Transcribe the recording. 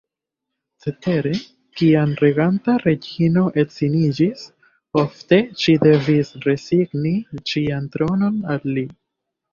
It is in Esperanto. Cetere, kiam reganta reĝino edziniĝis, ofte ŝi devis rezigni ŝian tronon al li.